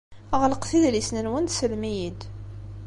Ɣelqet idlisen-nwen teslem-iyi-d.